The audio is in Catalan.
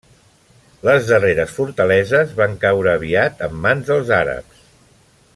Les darreres fortaleses van caure aviat en mans dels àrabs.